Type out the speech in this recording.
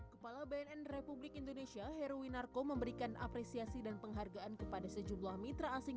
kepala bnn republik indonesia heruwinarko memberikan apresiasi dan penghargaan kepada sejumlah mitra asing